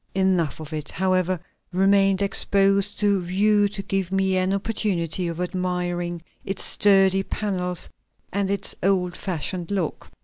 Enough of it, however, remained exposed to view to give me an opportunity of admiring its sturdy panels and its old fashioned lock.